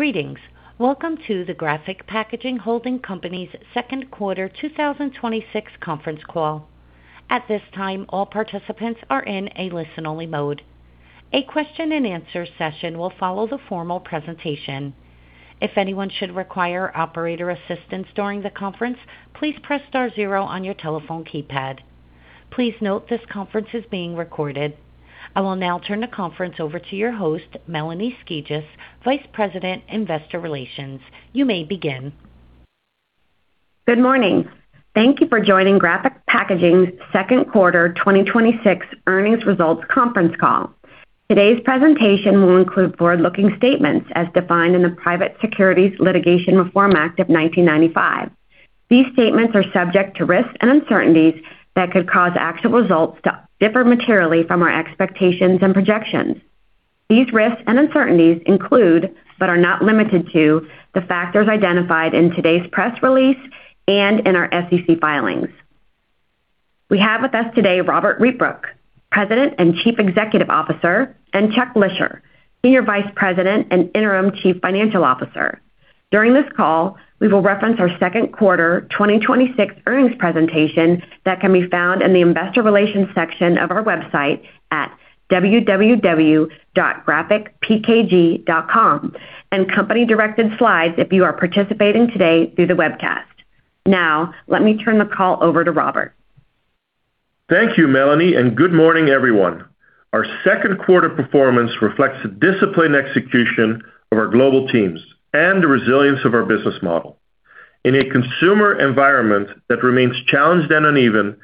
Greetings. Welcome to the Graphic Packaging Holding Company's Second Quarter 2026 Conference Call. At this time, all participants are in a listen-only mode. A question-and-answer session will follow the formal presentation. If anyone should require operator assistance during the conference, please press star zero on your telephone keypad. Please note this conference is being recorded. I will now turn the conference over to your host, Melanie Skijus, Vice President, Investor Relations. You may begin. Good morning. Thank you for joining Graphic Packaging's second quarter 2026 earnings results conference call. Today's presentation will include forward-looking statements as defined in the Private Securities Litigation Reform Act of 1995. These statements are subject to risks and uncertainties that could cause actual results to differ materially from our expectations and projections. These risks and uncertainties include, but are not limited to, the factors identified in today's press release and in our SEC filings. We have with us today Robbert Rietbroek, President and Chief Executive Officer, and Chuck Lischer, Senior Vice President and Interim Chief Financial Officer. During this call, we will reference our second quarter 2026 earnings presentation that can be found in the investor relations section of our website at www.graphicpkg.com and company-directed slides if you are participating today through the webcast. Let me turn the call over to Robbert. Thank you, Melanie, and good morning, everyone. Our second quarter performance reflects the disciplined execution of our global teams and the resilience of our business model. In a consumer environment that remains challenged and uneven,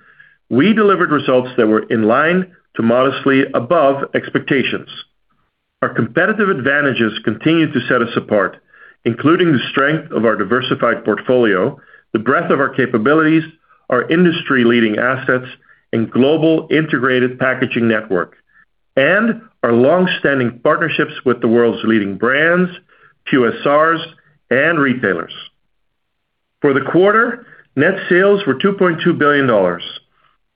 we delivered results that were in line to modestly above expectations. Our competitive advantages continue to set us apart, including the strength of our diversified portfolio, the breadth of our capabilities, our industry-leading assets and global integrated packaging network, and our longstanding partnerships with the world's leading brands, QSRs, and retailers. For the quarter, net sales were $2.2 billion.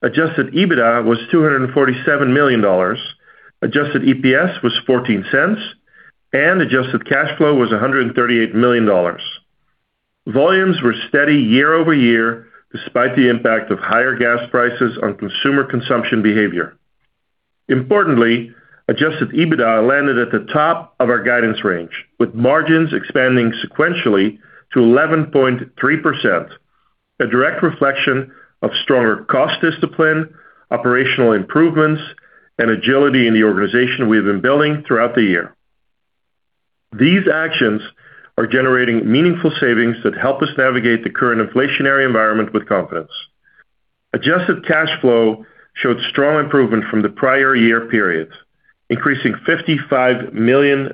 Adjusted EBITDA was $247 million. Adjusted EPS was $0.14, and adjusted cash flow was $138 million. Volumes were steady year-over-year, despite the impact of higher gas prices on consumer consumption behavior. Importantly, adjusted EBITDA landed at the top of our guidance range, with margins expanding sequentially to 11.3%, a direct reflection of stronger cost discipline, operational improvements, and agility in the organization we've been building throughout the year. These actions are generating meaningful savings that help us navigate the current inflationary environment with confidence. Adjusted cash flow showed strong improvement from the prior year periods, increasing $55 million.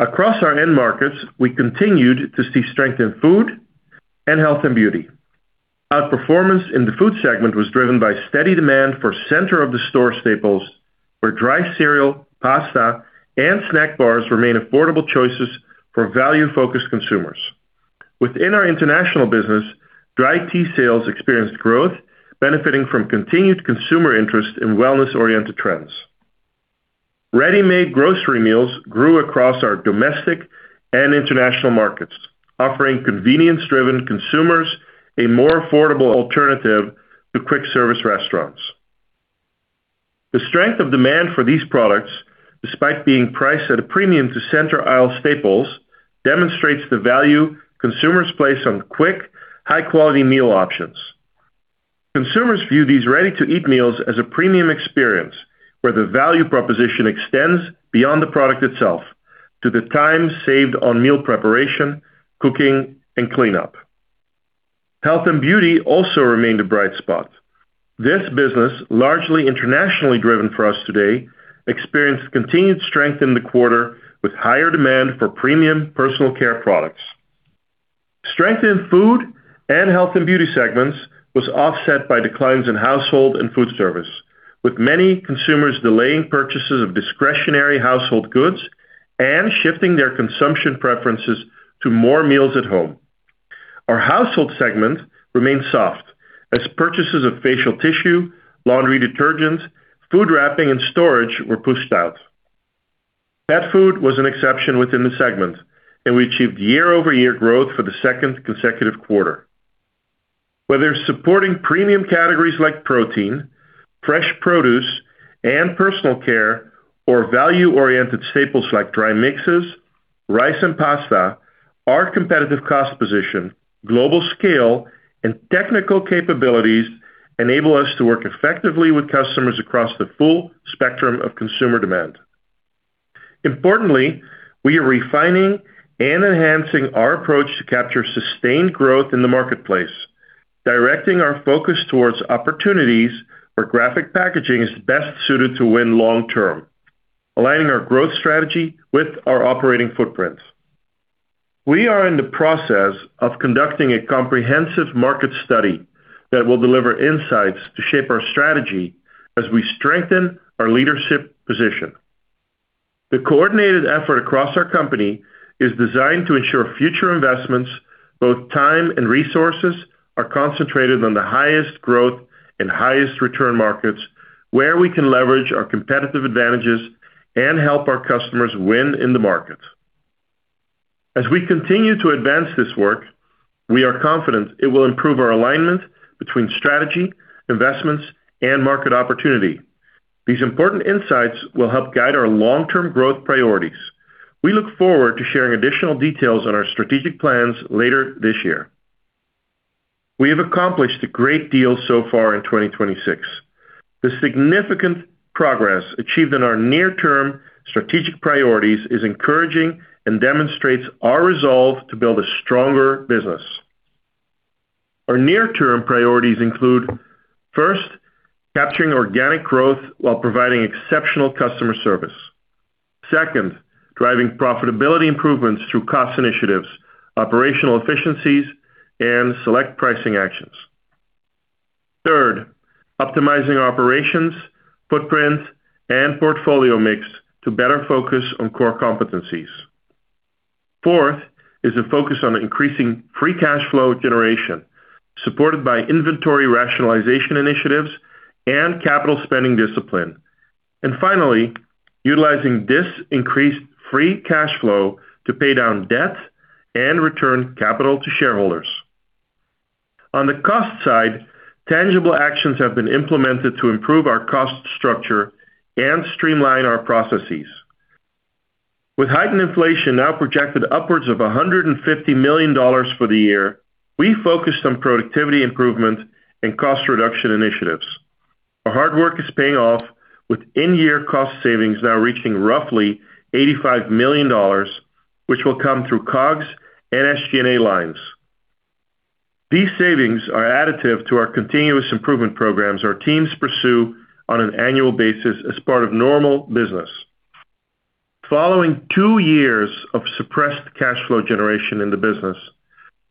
Across our end markets, we continued to see strength in food and health and beauty. Outperformance in the food segment was driven by steady demand for center-of-the-store staples, where dry cereal, pasta, and snack bars remain affordable choices for value-focused consumers. Within our international business, dry tea sales experienced growth, benefiting from continued consumer interest in wellness-oriented trends. Ready-made grocery meals grew across our domestic and international markets, offering convenience-driven consumers a more affordable alternative to quick-service restaurants. The strength of demand for these products, despite being priced at a premium to center-aisle staples, demonstrates the value consumers place on quick, high-quality meal options. Consumers view these ready-to-eat meals as a premium experience, where the value proposition extends beyond the product itself to the time saved on meal preparation, cooking, and cleanup. Health and beauty also remained a bright spot. This business, largely internationally driven for us today, experienced continued strength in the quarter with higher demand for premium personal care products. Strength in food and health and beauty segments was offset by declines in household and food service, with many consumers delaying purchases of discretionary household goods and shifting their consumption preferences to more meals at home. Our household segment remained soft as purchases of facial tissue, laundry detergent, food wrapping, and storage were pushed out. Pet food was an exception within the segment, and we achieved year-over-year growth for the second consecutive quarter. Whether supporting premium categories like protein, fresh produce, and personal care, or value-oriented staples like dry mixes, rice, and pasta, our competitive cost position, global scale, and technical capabilities enable us to work effectively with customers across the full spectrum of consumer demand. Importantly, we are refining and enhancing our approach to capture sustained growth in the marketplace, directing our focus towards opportunities where Graphic Packaging is best suited to win long-term, aligning our growth strategy with our operating footprint. We are in the process of conducting a comprehensive market study that will deliver insights to shape our strategy as we strengthen our leadership position. The coordinated effort across our company is designed to ensure future investments, both time and resources, are concentrated on the highest growth and highest return markets, where we can leverage our competitive advantages and help our customers win in the market. As we continue to advance this work, we are confident it will improve our alignment between strategy, investments, and market opportunity. These important insights will help guide our long-term growth priorities. We look forward to sharing additional details on our strategic plans later this year. We have accomplished a great deal so far in 2026. The significant progress achieved in our near-term strategic priorities is encouraging and demonstrates our resolve to build a stronger business. Our near-term priorities include, first, capturing organic growth while providing exceptional customer service. Second, driving profitability improvements through cost initiatives, operational efficiencies, and select pricing actions. Third, optimizing operations, footprint, and portfolio mix to better focus on core competencies. Fourth is a focus on increasing free cash flow generation, supported by inventory rationalization initiatives and capital spending discipline. Finally, utilizing this increased free cash flow to pay down debt and return capital to shareholders. On the cost side, tangible actions have been implemented to improve our cost structure and streamline our processes. With heightened inflation now projected upwards of $150 million for the year, we focused on productivity improvement and cost reduction initiatives. Our hard work is paying off, with in-year cost savings now reaching roughly $85 million, which will come through COGS and SG&A lines. These savings are additive to our continuous improvement programs our teams pursue on an annual basis as part of normal business. Following two years of suppressed cash flow generation in the business,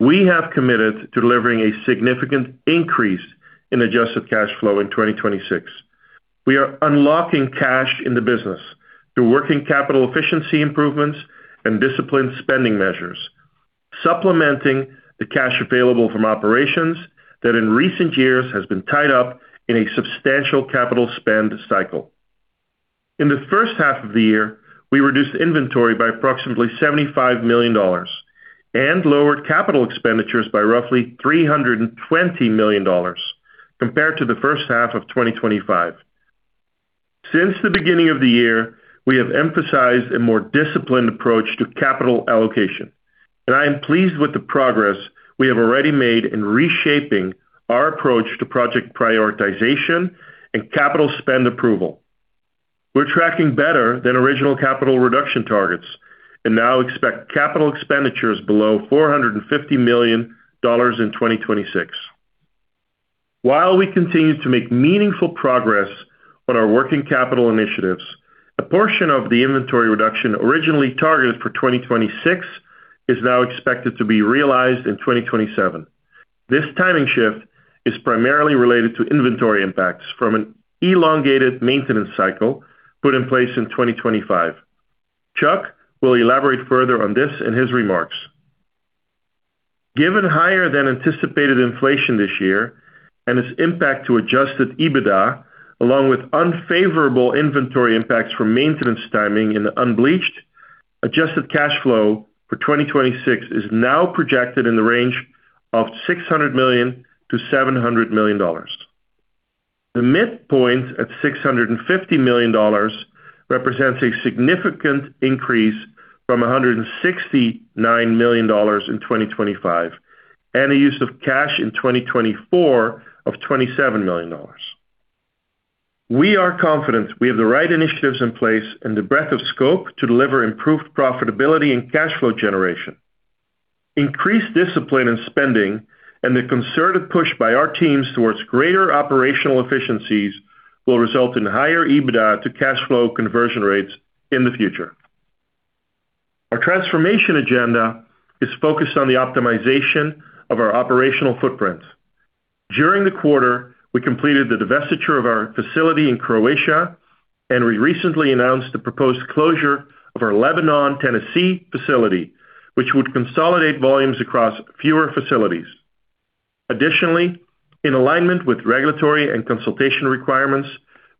we have committed to delivering a significant increase in adjusted cash flow in 2026. We are unlocking cash in the business through working capital efficiency improvements and disciplined spending measures, supplementing the cash available from operations that in recent years has been tied up in a substantial capital spend cycle. In the first half of the year, we reduced inventory by approximately $75 million and lowered capital expenditures by roughly $320 million compared to the first half of 2025. Since the beginning of the year, we have emphasized a more disciplined approach to capital allocation, and I am pleased with the progress we have already made in reshaping our approach to project prioritization and capital spend approval. We're tracking better than original capital reduction targets and now expect capital expenditures below $450 million in 2026. While we continue to make meaningful progress on our working capital initiatives, a portion of the inventory reduction originally targeted for 2026 is now expected to be realized in 2027. This timing shift is primarily related to inventory impacts from an elongated maintenance cycle put in place in 2025. Chuck will elaborate further on this in his remarks. Given higher than anticipated inflation this year and its impact on adjusted EBITDA, along with unfavorable inventory impacts from maintenance timing in the unbleached, adjusted cash flow for 2026 is now projected in the range of $600 million-$700 million. The midpoint at $650 million represents a significant increase from $169 million in 2025 and a use of cash in 2024 of $27 million. We are confident we have the right initiatives in place and the breadth of scope to deliver improved profitability and cash flow generation. Increased discipline in spending and the concerted push by our teams towards greater operational efficiencies will result in higher EBITDA to cash flow conversion rates in the future. Our transformation agenda is focused on the optimization of our operational footprint. During the quarter, we completed the divestiture of our facility in Croatia, and we recently announced the proposed closure of our Lebanon, Tennessee, facility, which would consolidate volumes across fewer facilities. Additionally, in alignment with regulatory and consultation requirements,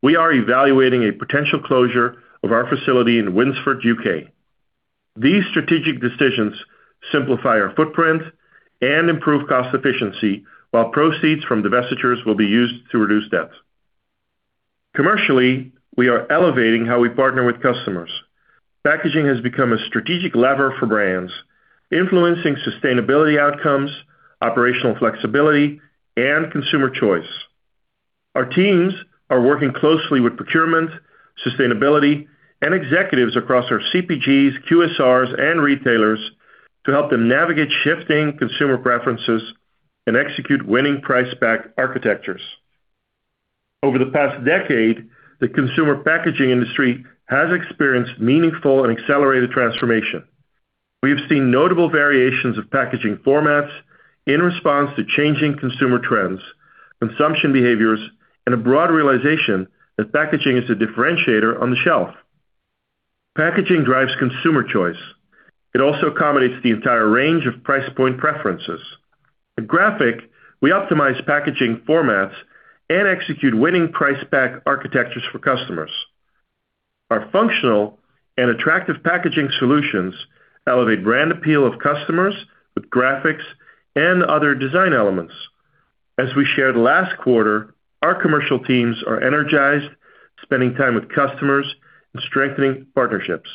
we are evaluating a potential closure of our facility in Winsford, U.K. These strategic decisions simplify our footprint and improve cost efficiency, while proceeds from divestitures will be used to reduce debt. Commercially, we are elevating how we partner with customers. Packaging has become a strategic lever for brands, influencing sustainability outcomes, operational flexibility, and consumer choice. Our teams are working closely with procurement, sustainability, and executives across our CPGs, QSRs, and retailers to help them navigate shifting consumer preferences and execute winning price pack architectures. Over the past decade, the consumer packaging industry has experienced meaningful and accelerated transformation. We have seen notable variations of packaging formats in response to changing consumer trends, consumption behaviors, and a broad realization that packaging is a differentiator on the shelf. Packaging drives consumer choice. It also accommodates the entire range of price point preferences. At Graphic, we optimize packaging formats and execute winning price pack architectures for customers. Our functional and attractive packaging solutions elevate brand appeal of customers with graphics and other design elements. As we shared last quarter, our commercial teams are energized, spending time with customers and strengthening partnerships.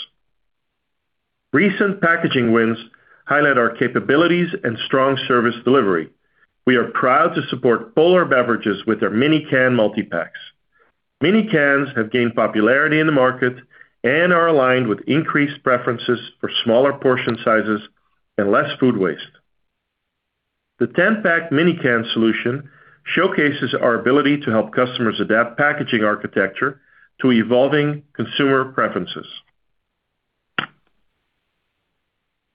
Recent packaging wins highlight our capabilities and strong service delivery. We are proud to support Polar Beverages with their mini-can multi-packs. Mini cans have gained popularity in the market and are aligned with increased preferences for smaller portion sizes and less food waste. The 10-pack mini can solution showcases our ability to help customers adapt packaging architecture to evolving consumer preferences.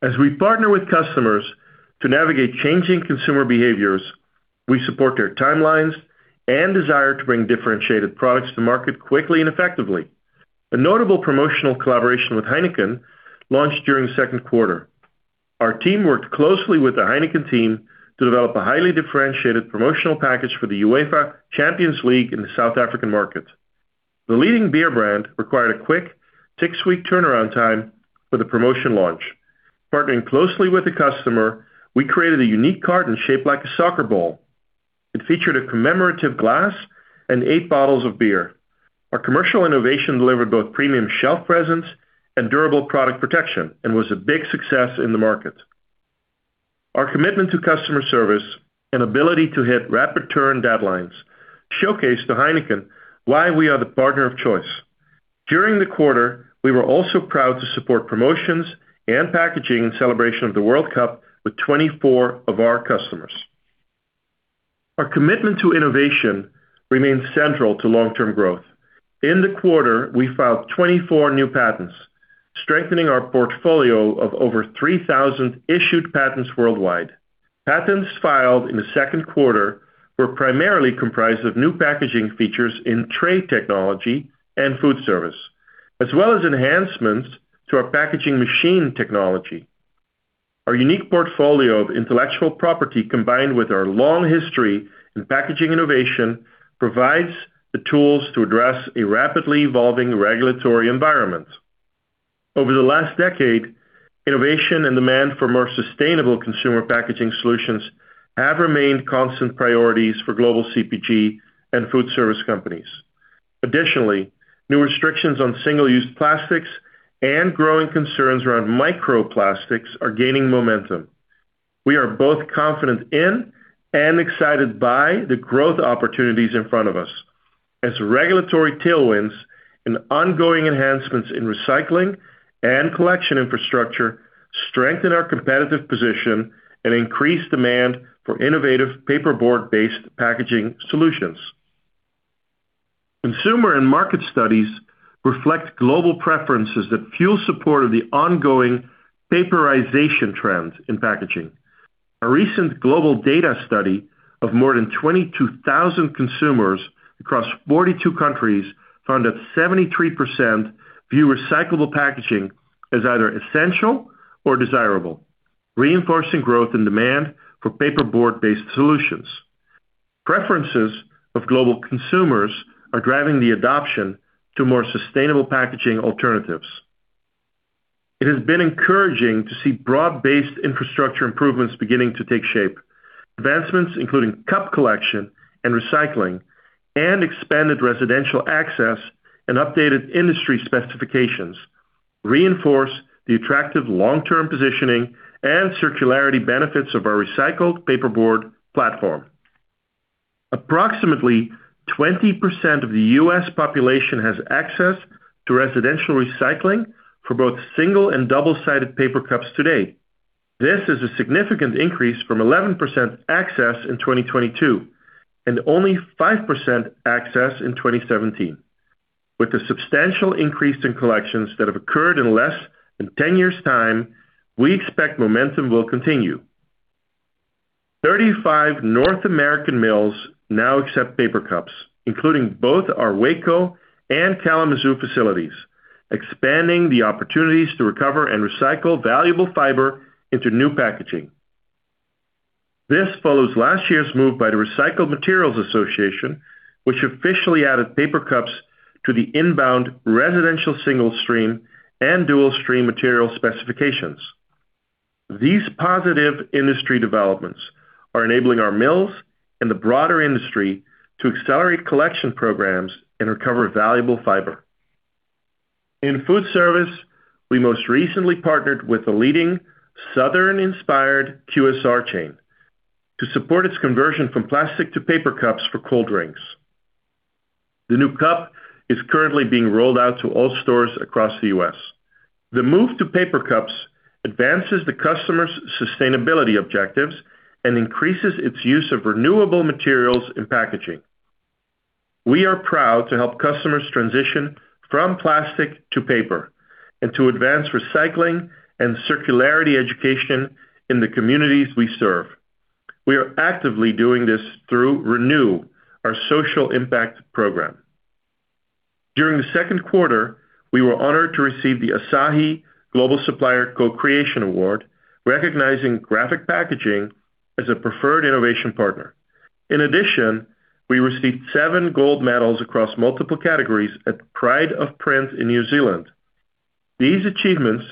As we partner with customers to navigate changing consumer behaviors, we support their timelines and desire to bring differentiated products to market quickly and effectively. A notable promotional collaboration with Heineken launched during the second quarter. Our team worked closely with the Heineken team to develop a highly differentiated promotional package for the UEFA Champions League in the South African market. The leading beer brand required a quick six-week turnaround time for the promotion launch. Partnering closely with the customer, we created a unique carton shaped like a soccer ball. It featured a commemorative glass and eight bottles of beer. Our commercial innovation delivered both premium shelf presence and durable product protection and was a big success in the market. Our commitment to customer service and ability to hit rapid turn deadlines showcased to Heineken why we are the partner of choice. During the quarter, we were also proud to support promotions and packaging in celebration of the World Cup with 24 of our customers. Our commitment to innovation remains central to long-term growth. In the quarter, we filed 24 new patents, strengthening our portfolio of over 3,000 issued patents worldwide. Patents filed in the second quarter were primarily comprised of new packaging features in tray technology and food service, as well as enhancements to our packaging machine technology. Our unique portfolio of intellectual property, combined with our long history in packaging innovation, provides the tools to address a rapidly evolving regulatory environment. Over the last decade, innovation and demand for more sustainable consumer packaging solutions have remained constant priorities for global CPG and food service companies. Additionally, new restrictions on single-use plastics and growing concerns around microplastics are gaining momentum. We are both confident in and excited by the growth opportunities in front of us as regulatory tailwinds and ongoing enhancements in recycling and collection infrastructure strengthen our competitive position and increase demand for innovative paperboard-based packaging solutions. Consumer and market studies reflect global preferences that fuel support of the ongoing paperization trend in packaging. A recent global data study of more than 22,000 consumers across 42 countries found that 73% view recyclable packaging as either essential or desirable, reinforcing growth and demand for paperboard-based solutions. Preferences of global consumers are driving the adoption of more sustainable packaging alternatives. It has been encouraging to see broad-based infrastructure improvements beginning to take shape. Advancements, including cup collection and recycling and expanded residential access and updated industry specifications, reinforce the attractive long-term positioning and circularity benefits of our recycled paperboard platform. Approximately 20% of the U.S. population has access to residential recycling for both single and double-sided paper cups today. This is a significant increase from 11% access in 2022 and only 5% access in 2017. With the substantial increase in collections that have occurred in less than 10 years' time, we expect momentum will continue. 35 North American mills now accept paper cups, including both our Waco and Kalamazoo facilities, expanding the opportunities to recover and recycle valuable fiber into new packaging. This follows last year's move by the Recycled Materials Association, which officially added paper cups to the inbound residential single-stream and dual-stream material specifications. These positive industry developments are enabling our mills and the broader industry to accelerate collection programs and recover valuable fiber. In food service, we most recently partnered with a leading Southern-inspired QSR chain to support its conversion from plastic to paper cups for cold drinks. The new cup is currently being rolled out to all stores across the U.S. The move to paper cups advances the customer's sustainability objectives and increases its use of renewable materials in packaging. We are proud to help customers transition from plastic to paper and to advance recycling and circularity education in the communities we serve. We are actively doing this through RENEW, our social impact program. During the second quarter, we were honored to receive the Asahi Global Supplier Co-Creation Award, recognizing Graphic Packaging as a preferred innovation partner. In addition, we received seven gold medals across multiple categories at Pride In Print in New Zealand. These achievements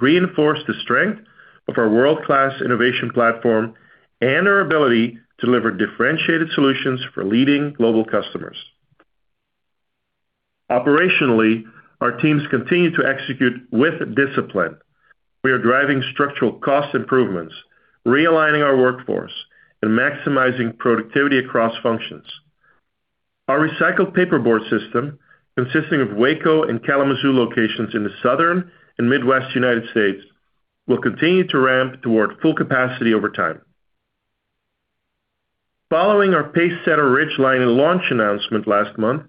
reinforce the strength of our world-class innovation platform and our ability to deliver differentiated solutions for leading global customers. Operationally, our teams continue to execute with discipline. We are driving structural cost improvements, realigning our workforce and maximizing productivity across functions. Our recycled paperboard system, consisting of Waco and Kalamazoo locations in the Southern and Midwest U.S., will continue to ramp toward full capacity over time. Following our PaceSetter Ridgeline launch announcement last month,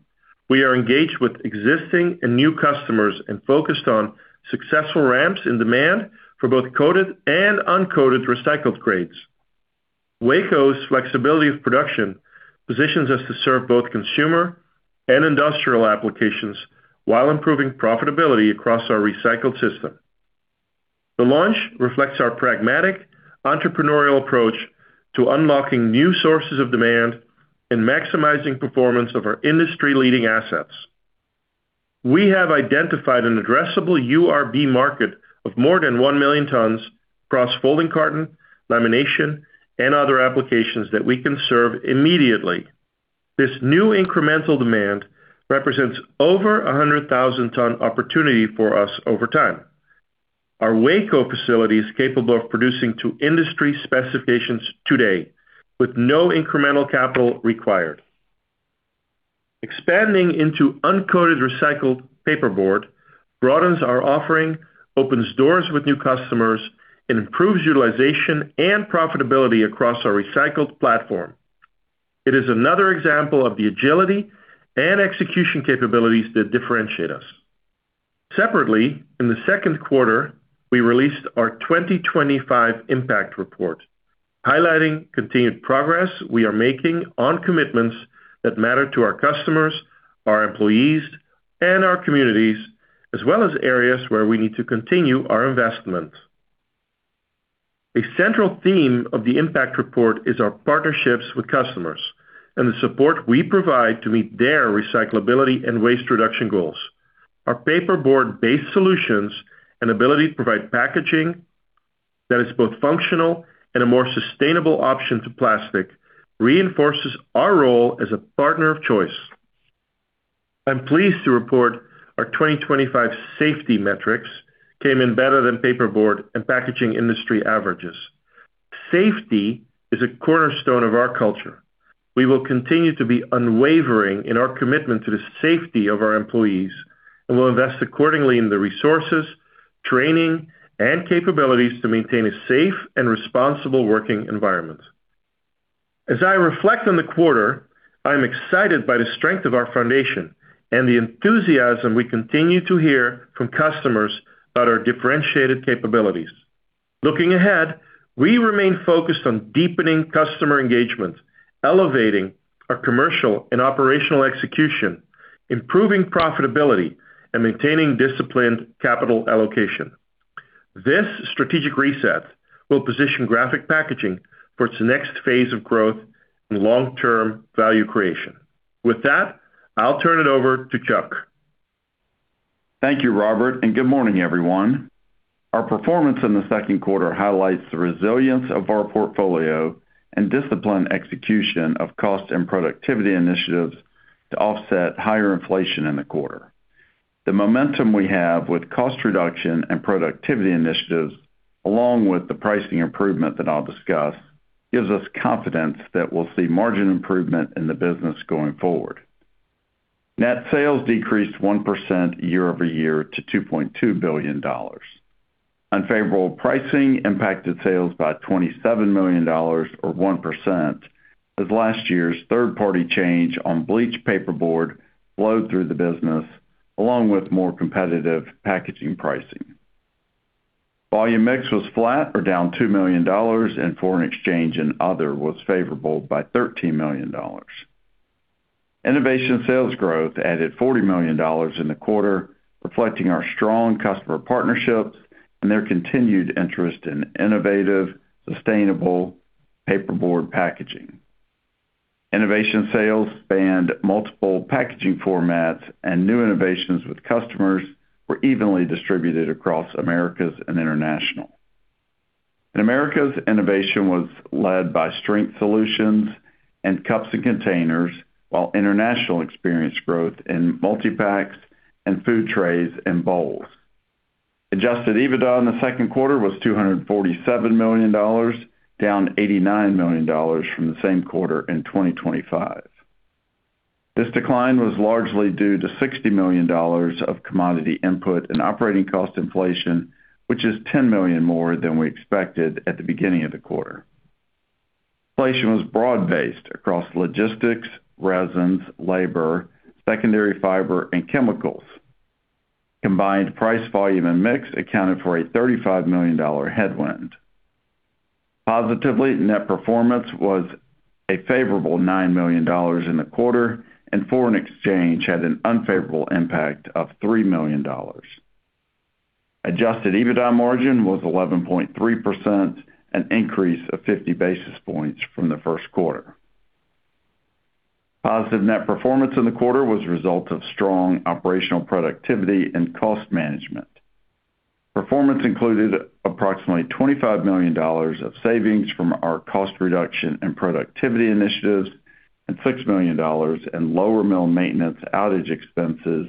we are engaged with existing and new customers and focused on successful ramps in demand for both coated and uncoated recycled grades. Waco's flexibility of production positions us to serve both consumer and industrial applications while improving profitability across our recycled system. The launch reflects our pragmatic entrepreneurial approach to unlocking new sources of demand and maximizing performance of our industry-leading assets. We have identified an addressable URB market of more than one million tons across folding carton, lamination, and other applications that we can serve immediately. This new incremental demand represents over 100,000 ton opportunity for us over time. Our Waco facility is capable of producing to industry specifications today with no incremental capital required. Expanding into uncoated recycled paperboard broadens our offering, opens doors with new customers, and improves utilization and profitability across our recycled platform. It is another example of the agility and execution capabilities that differentiate us. Separately, in the second quarter, we released our 2025 impact report highlighting continued progress we are making on commitments that matter to our customers, our employees, and our communities, as well as areas where we need to continue our investment. A central theme of the impact report is our partnerships with customers and the support we provide to meet their recyclability and waste reduction goals. Our paperboard-based solutions and ability to provide packaging that is both functional and a more sustainable option than plastic reinforce our role as a partner of choice. I'm pleased to report our 2025 safety metrics came in better than paperboard and packaging industry averages. Safety is a cornerstone of our culture. We will continue to be unwavering in our commitment to the safety of our employees and will invest accordingly in the resources, training, and capabilities to maintain a safe and responsible working environment. As I reflect on the quarter, I'm excited by the strength of our foundation and the enthusiasm we continue to hear from customers about our differentiated capabilities. Looking ahead, we remain focused on deepening customer engagement, elevating our commercial and operational execution, improving profitability, and maintaining disciplined capital allocation. This strategic reset will position Graphic Packaging for its next phase of growth and long-term value creation. With that, I'll turn it over to Chuck. Thank you, Robbert, good morning, everyone. Our performance in the second quarter highlights the resilience of our portfolio and disciplined execution of cost and productivity initiatives to offset higher inflation in the quarter. The momentum we have with cost reduction and productivity initiatives, along with the pricing improvement that I'll discuss, gives us confidence that we'll see margin improvement in the business going forward. Net sales decreased 1% year-over-year to $2.2 billion. Unfavorable pricing impacted sales by $27 million, or 1%, as last year's third-party change on bleached paperboard flowed through the business, along with more competitive packaging pricing. Volume mix was flat or down $2 million, and foreign exchange and other were favorable by $13 million. Innovation sales growth added $40 million in the quarter, reflecting our strong customer partnerships and their continued interest in innovative, sustainable paperboard packaging. Innovation sales spanned multiple packaging formats. New innovations with customers were evenly distributed across the Americas and internationally. In the Americas, innovation was led by strength solutions and cups and containers, while in the International, it experienced growth in multi-packs and food trays and bowls. Adjusted EBITDA in the second quarter was $247 million, down $89 million from the same quarter in 2025. This decline was largely due to $60 million of commodity input and operating cost inflation, which is $10 million more than we expected at the beginning of the quarter. Inflation was broad-based across logistics, resins, labor, secondary fiber, and chemicals. Combined price volume and mix accounted for a $35 million headwind. Positively, net performance was a favorable $9 million in the quarter. Foreign exchange had an unfavorable impact of $3 million. Adjusted EBITDA margin was 11.3%, an increase of 50 basis points from the first quarter. Positive net performance in the quarter was a result of strong operational productivity and cost management. Performance included approximately $25 million of savings from our cost reduction and productivity initiatives and $6 million in lower mill maintenance outage expenses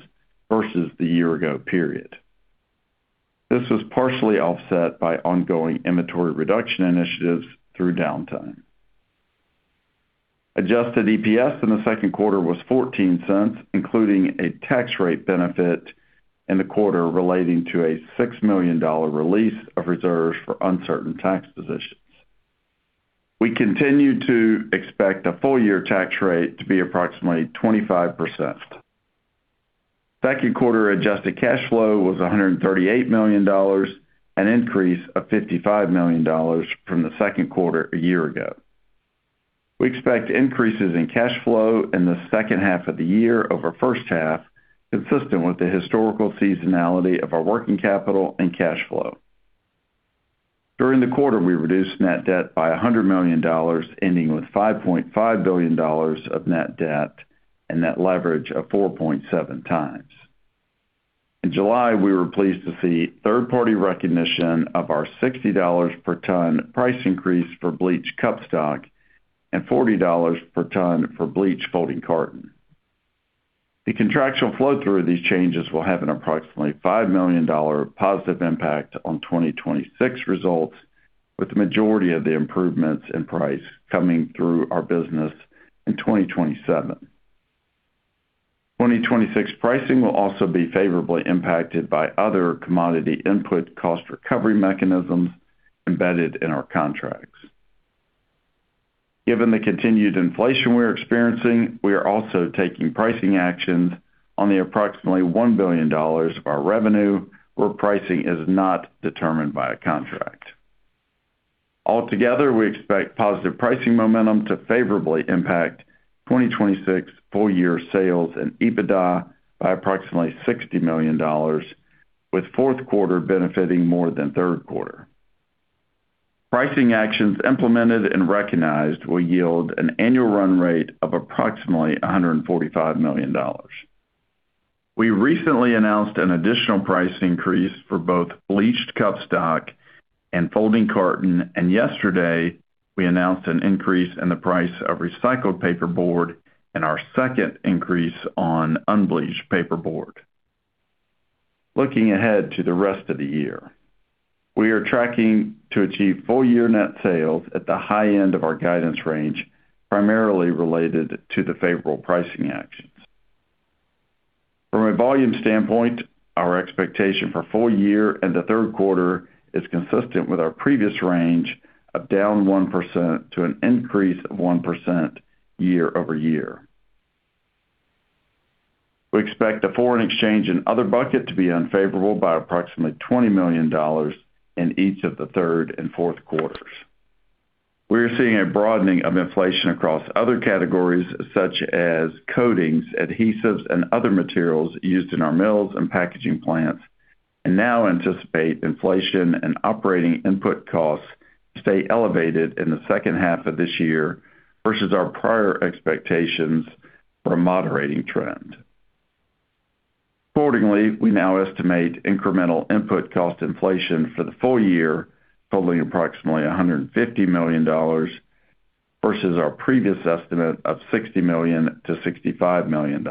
versus the year-ago period. This was partially offset by ongoing inventory reduction initiatives through downtime. Adjusted EPS in the second quarter was $0.14, including a tax rate benefit in the quarter relating to a $6 million release of reserves for uncertain tax positions. We continue to expect a full-year tax rate to be approximately 25%. Second quarter adjusted cash flow was $138 million, an increase of $55 million from the second quarter a year ago. We expect increases in cash flow in the second half of the year over first half, consistent with the historical seasonality of our working capital and cash flow. During the quarter, we reduced net debt by $100 million, ending with $5.5 billion of net debt and net leverage of 4.7x. In July, we were pleased to see third-party recognition of our $60 per ton price increase for bleached cupstock and $40 per ton for bleached folding carton. The contractual flow through of these changes will have an approximately $5 million positive impact on 2026 results, with the majority of the improvements in price coming through our business in 2027. 2026 pricing will also be favorably impacted by other commodity input cost recovery mechanisms embedded in our contracts. Given the continued inflation we're experiencing, we are also taking pricing actions on the approximately $1 billion of our revenue where pricing is not determined by a contract. Altogether, we expect positive pricing momentum to favorably impact 2026 full-year sales and EBITDA by approximately $60 million, with fourth quarter benefiting more than third quarter. Pricing actions implemented and recognized will yield an annual run rate of approximately $145 million. We recently announced an additional price increase for both bleached cupstock and folding carton. Yesterday we announced an increase in the price of recycled paperboard and our second increase on unbleached paperboard. Looking ahead to the rest of the year, we are tracking to achieve full-year net sales at the high end of our guidance range, primarily related to the favorable pricing actions. From a volume standpoint, our expectation for the full year and the third quarter is consistent with our previous range of a down 1% to an increase of 1% year-over-year. We expect the foreign exchange and other bucket to be unfavorable by approximately $20 million in each of the third and fourth quarters. We are seeing a broadening of inflation across other categories such as coatings, adhesives, and other materials used in our mills and packaging plants. Now anticipate inflation and operating input costs to stay elevated in the second half of this year versus our prior expectations for a moderating trend. Accordingly, we now estimate incremental input cost inflation for the full year totaling approximately $150 million versus our previous estimate of $60 million-$65 million.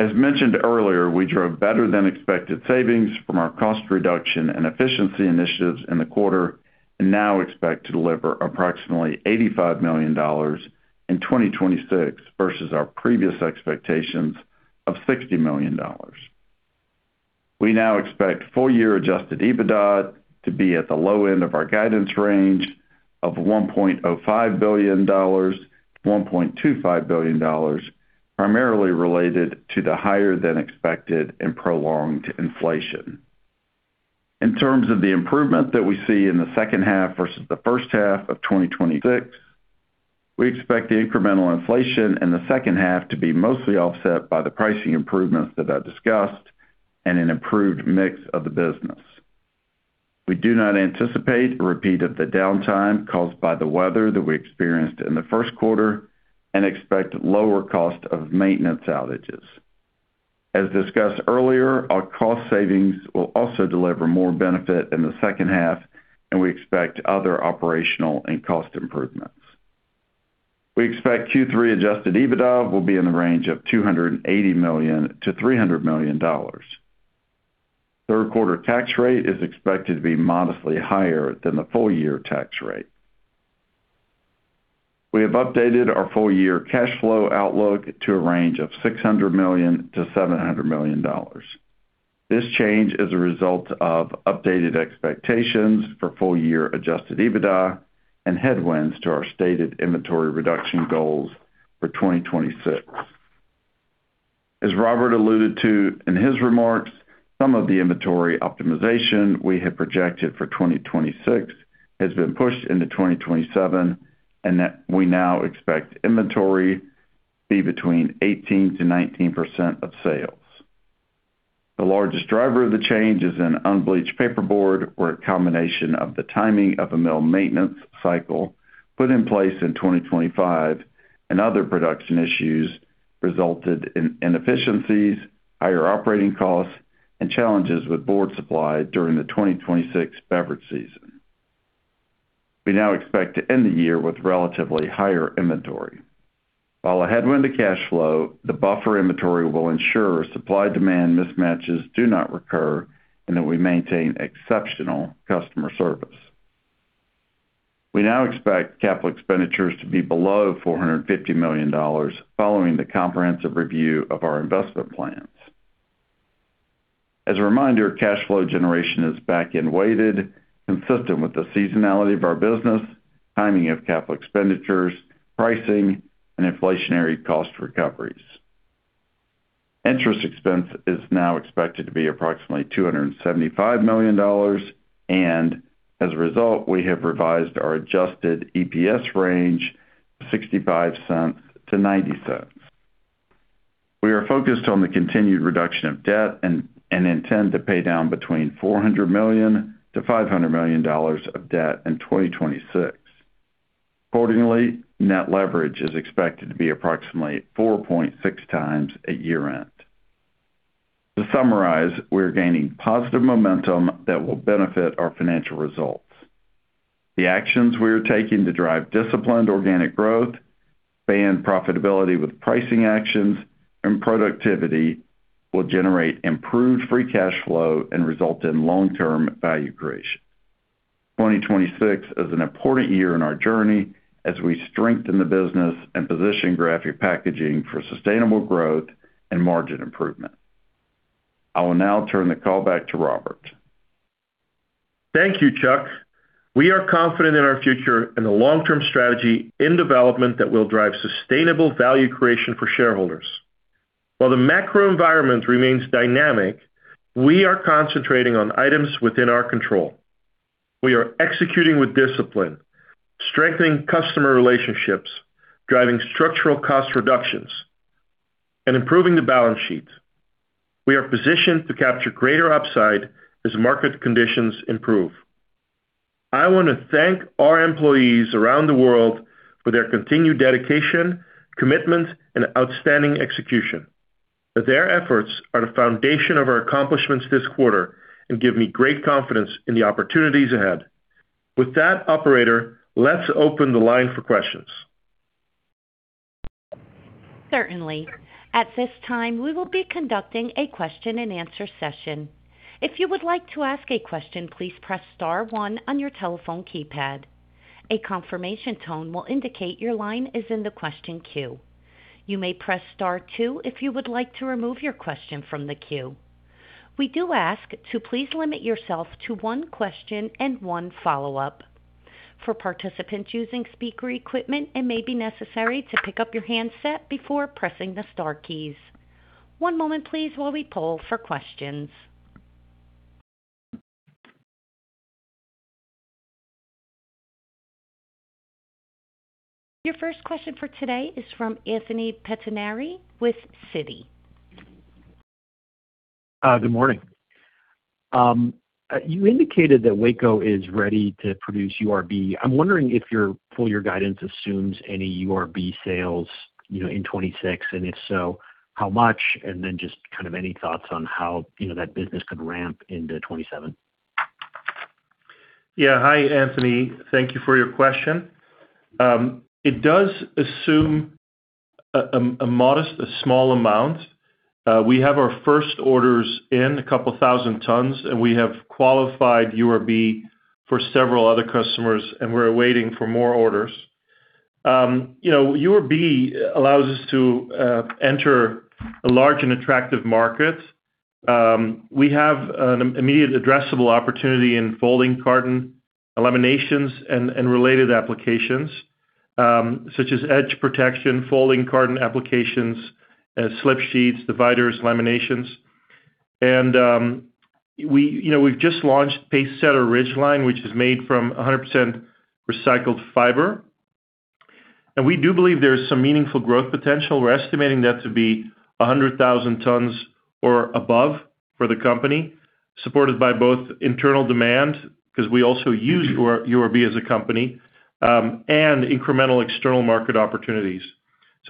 As mentioned earlier, we drove better-than-expected savings from our cost reduction and efficiency initiatives in the quarter. Now expect to deliver approximately $85 million in 2026 versus our previous expectations of $60 million. We now expect full-year adjusted EBITDA to be at the low end of our guidance range of $1.05 billion-$1.25 billion, primarily related to the higher-than-expected and prolonged inflation. In terms of the improvement that we see in the second half versus the first half of 2026, we expect the incremental inflation in the second half to be mostly offset by the pricing improvements that I discussed, an improved mix of the business. We do not anticipate a repeat of the downtime caused by the weather that we experienced in the first quarter, expect lower cost of maintenance outages. As discussed earlier, our cost savings will also deliver more benefit in the second half. We expect other operational and cost improvements. We expect Q3 adjusted EBITDA will be in the range of $280 million-$300 million. Third quarter tax rate is expected to be modestly higher than the full-year tax rate. We have updated our full-year cash flow outlook to a range of $600 million-$700 million. This change is a result of updated expectations for full-year adjusted EBITDA and headwinds to our stated inventory reduction goals for 2026. As Robbert alluded to in his remarks, some of the inventory optimization we had projected for 2026 has been pushed into 2027, and we now expect inventory be between 18%-19% of sales. The largest driver of the change is in unbleached paperboard, where a combination of the timing of a mill maintenance cycle put in place in 2025 and other production issues resulted in inefficiencies, higher operating costs, and challenges with board supply during the 2026 beverage season. We now expect to end the year with relatively higher inventory. While a headwind to cash flow, the buffer inventory will ensure supply-demand mismatches do not recur and that we maintain exceptional customer service. We now expect capital expenditures to be below $450 million following the comprehensive review of our investment plans. As a reminder, cash flow generation is back-end weighted, consistent with the seasonality of our business, timing of capital expenditures, pricing, and inflationary cost recoveries. Interest expense is now expected to be approximately $275 million, and as a result, we have revised our adjusted EPS range to $0.65-$0.90. We are focused on the continued reduction of debt and intend to pay down between $400 million-$500 million of debt in 2026. Accordingly, net leverage is expected to be approximately 4.6x at year-end. To summarize, we are gaining positive momentum that will benefit our financial results. The actions we are taking to drive disciplined organic growth, expand profitability with pricing actions and productivity will generate improved free cash flow and result in long-term value creation. 2026 is an important year in our journey as we strengthen the business and position Graphic Packaging for sustainable growth and margin improvement. I will now turn the call back to Robbert. Thank you, Chuck. We are confident in our future and the long-term strategy in development that will drive sustainable value creation for shareholders. While the macro environment remains dynamic, we are concentrating on items within our control. We are executing with discipline, strengthening customer relationships, driving structural cost reductions, and improving the balance sheet. We are positioned to capture greater upside as market conditions improve. I want to thank our employees around the world for their continued dedication, commitment, and outstanding execution. Their efforts are the foundation of our accomplishments this quarter and give me great confidence in the opportunities ahead. With that, operator, let's open the line for questions. Certainly. At this time, we will be conducting a question-and-answer session. If you would like to ask a question, please press star one on your telephone keypad. A confirmation tone will indicate your line is in the question queue. You may press star two if you would like to remove your question from the queue. We do ask to please limit yourself to one question and one follow-up. For participants using speaker equipment, it may be necessary to pick up your handset before pressing the star keys. One moment, please, while we poll for questions. Your first question for today is from Anthony Pettinari with Citi. Good morning. You indicated that Waco is ready to produce URB. I'm wondering if your full-year guidance assumes any URB sales in 2026, and if so, how much? Then just kind of any thoughts on how that business could ramp into 2027. Hi, Anthony. Thank you for your question. It does assume a modest, a small amount. We have our first orders in, a couple thousand tons, and we have qualified URB for several other customers, and we're waiting for more orders. URB allows us to enter a large and attractive market. We have an immediate addressable opportunity in folding carton laminations and related applications, such as edge protection, folding carton applications, slip sheets, dividers, laminations. We've just launched PaceSetter Ridgeline, which is made from 100% recycled fiber. We do believe there is some meaningful growth potential. We're estimating that to be 100,000 tons or above for the company, supported by both internal demand, because we also use URB as a company, and incremental external market opportunities.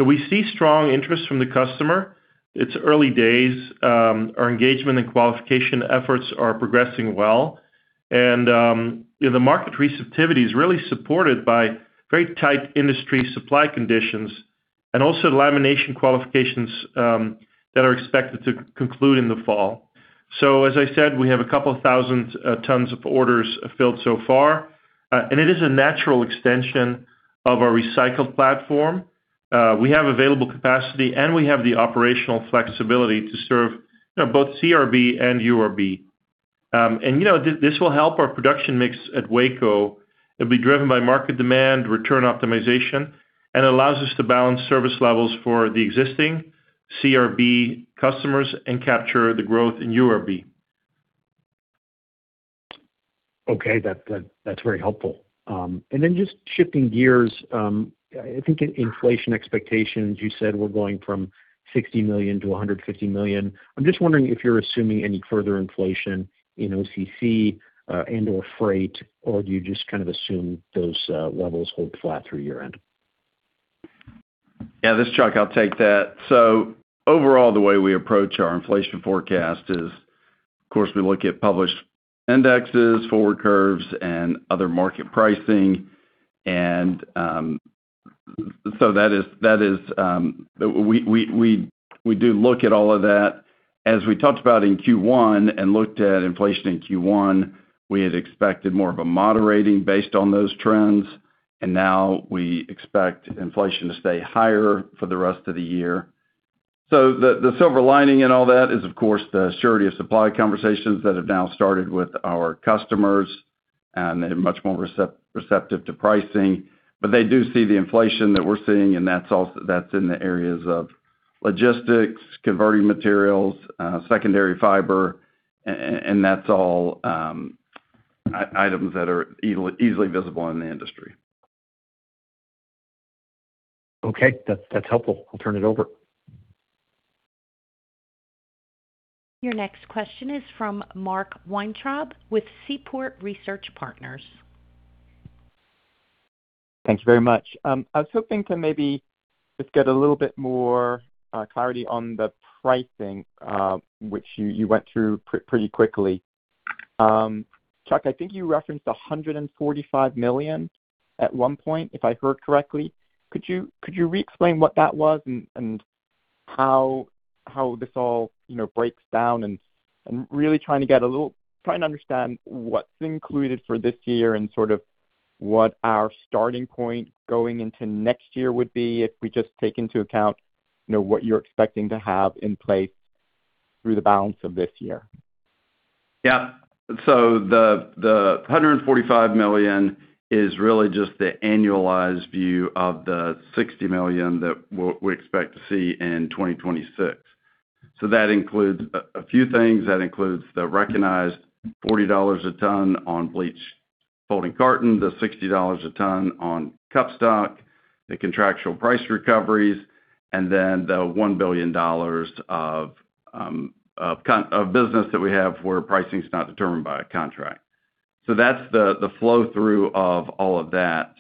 We see strong interest from the customer. It's early days. Our engagement and qualification efforts are progressing well. The market receptivity is really supported by very tight industry supply conditions. Also lamination qualifications that are expected to conclude in the fall. As I said, we have a couple thousand tons of orders filled so far, and it is a natural extension of our recycled platform. We have available capacity, and we have the operational flexibility to serve both CRB and URB. This will help our production mix at Waco. It will be driven by market demand and return optimization and allow us to balance service levels for the existing CRB customers and capture the growth in URB. Okay. That's very helpful. Just shifting gears, I think in inflation expectations, you said we're going from $60 million-$150 million. I'm just wondering if you're assuming any further inflation in OCC and/or freight, or do you just kind of assume those levels hold flat through year-end? Yeah, this is Chuck. I'll take that. Overall, the way we approach our inflation forecast is, of course, we look at published indexes, forward curves, and other market pricing. We do look at all of that. As we talked about in Q1 and looked at inflation in Q1, we had expected more of a moderating based on those trends, and now we expect inflation to stay higher for the rest of the year. The silver lining in all that is, of course, the surety of supply conversations that have now started with our customers, and they're much more receptive to pricing. They do see the inflation that we're seeing, and that's in the areas of logistics, converting materials, secondary fiber, and that's all items that are easily visible in the industry. Okay. That's helpful. I'll turn it over. Your next question is from Mark Weintraub with Seaport Research Partners. Thank you very much. I was hoping to maybe just get a little bit more clarity on the pricing, which you went through pretty quickly. Chuck, I think you referenced $145 million at one point, if I heard correctly. Could you re-explain what that was and how this all breaks down? I'm really trying to get a little trying to understand what's included for this year and sort of what our starting point going into next year would be if we just take into account what you're expecting to have in place through the balance of this year. Yeah. The $145 million is really just the annualized view of the $60 million that we expect to see in 2026. That includes a few things. That includes the recognized $40 a ton on bleached folding carton, the $60 a ton on cup stock, the contractual price recoveries, and then the $1 billion of business that we have where pricing is not determined by a contract. That's the flow-through of all of that.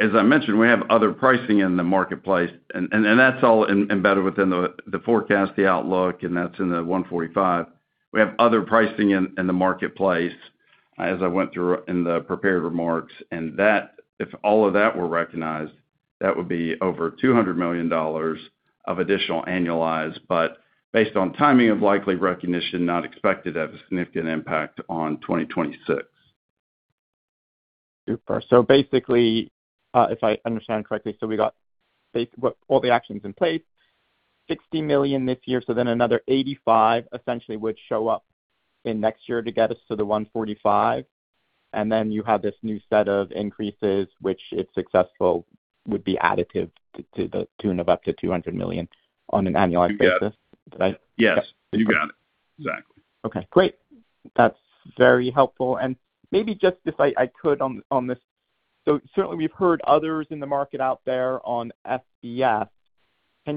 As I mentioned, we have other pricing in the marketplace, and that's all embedded within the forecast and the outlook, and that's in the $145. We have other pricing in the marketplace, as I went through in the prepared remarks, and if all of that were recognized, that would be over $200 million additional annualized. Based on timing of likely recognition, it is not expected to have a significant impact on 2026. Super. Basically, if I understand correctly, we got all the actions in place, $60 million this year, then another $85 essentially would show up in next year to get us to the $145. You have this new set of increases, which, if successful, would be additive to the tune of up to $200 million on an annualized basis. You got it. Right? Yes. You got it. Exactly. Okay, great. That's very helpful. Maybe just if I could on this. Certainly we've heard others in the market out there on FBF. Are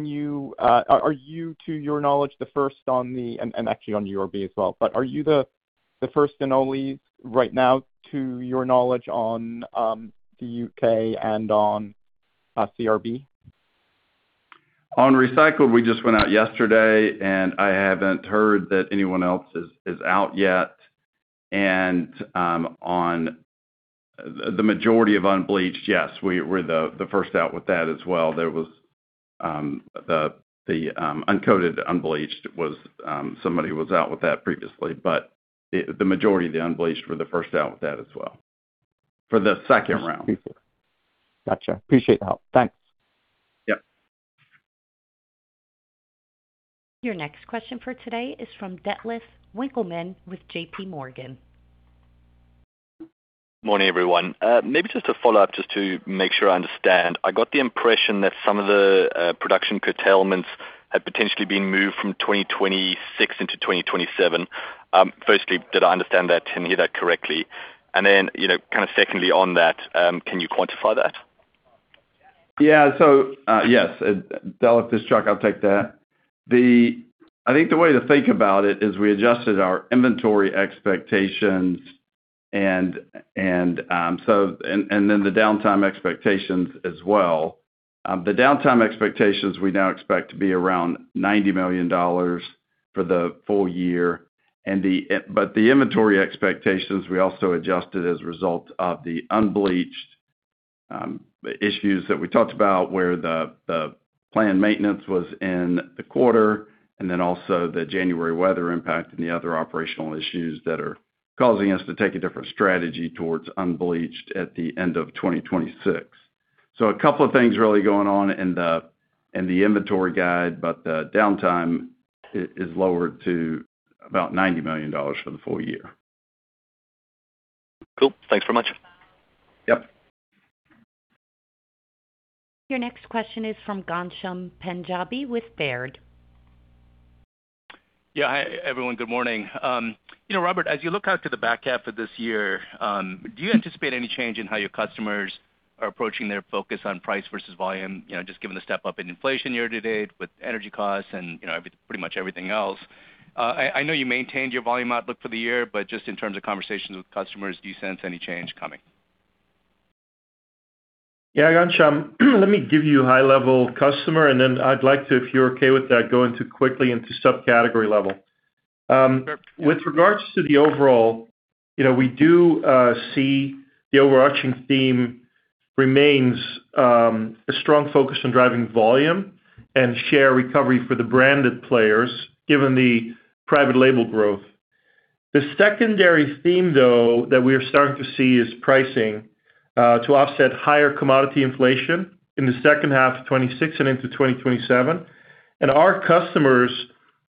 you, to your knowledge, the first and actually on URB as well, but are you the first and only right now, to your knowledge, on the URB and on CRB? On recycled, we just went out yesterday, and I haven't heard that anyone else is out yet. On the majority of unbleached, yes, we're the first out with that as well. There was the uncoated, unbleached; somebody was out with that previously, but the majority of the unbleached were the first out with that as well. For the second round. Super. Got you. Appreciate the help. Thanks. Yep. Your next question for today is from Detlef Winckelmann with JPMorgan. Morning, everyone. Maybe just to follow up, just to make sure I understand. I got the impression that some of the production curtailments had potentially been moved from 2026 into 2027. Firstly, did I understand that and hear that correctly? kind of secondly on that, can you quantify that? Yeah. Yes. Detlef, this is Chuck; I'll take that. I think the way to think about it is we adjusted our inventory expectations and then the downtime expectations as well. The downtime expectations we now expect to be around $90 million. For the full year. The inventory expectations, we also adjusted as a result of the unbleached issues that we talked about, where the planned maintenance was in the quarter, and then also the January weather impact and the other operational issues that are causing us to take a different strategy towards unbleached at the end of 2026. A couple of things really going on in the inventory guide, but the downtime is lowered to about $90 million for the full year. Cool. Thanks very much. Yep. Your next question is from Ghansham Panjabi with Baird. Yeah. Hi, everyone. Good morning. Robbert, as you look out to the back half of this year, do you anticipate any change in how your customers are approaching their focus on price versus volume? Just given the step-up in inflation year-to-date with energy costs and pretty much everything else. I know you maintained your volume outlook for the year, but just in terms of conversations with customers, do you sense any change coming? Yeah, Ghansham, let me give you a high-level customer, and then I'd like to, if you're okay with that, go quickly into the sub-category level. With regard to the overall, we do see the overarching theme remains a strong focus on driving volume and share recovery for the branded players, given the private label growth. The secondary theme, though, that we are starting to see is pricing to offset higher commodity inflation in the second half of 2026 and into 2027. Our customers